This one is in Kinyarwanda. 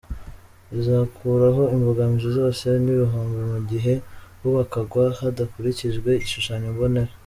Bizakuraho imbogamizi zose n’ibihombo mu gihe hubakwaga hadakurikijwe igishushanyombonera.